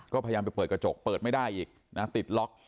ก็พยายามไปเปิดกระจกเปิดไม่ได้อีกนะติดล็อก